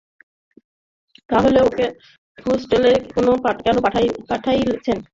তাহলে ওকে হোস্টেলে কেনো পাঠাইছেন?